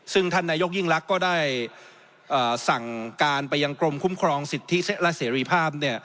ซึ่งท่านนายกยิ่งลักษณ์ก็ได้สั่งการไปยังกรมคุ้มครองสิทธิและเสรีภาพ